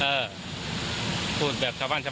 เออพูดแบบช้าบ้านเเนี่ย